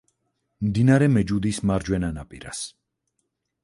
მდინარე მეჯუდის მარჯვენა ნაპირას.